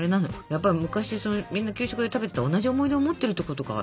やっぱり昔みんな給食で食べてた同じ思い出をもってるってことか